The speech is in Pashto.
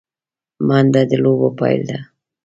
منډه د لوبو پیل دی